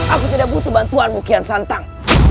aku tidak butuh bantuanmu kian santang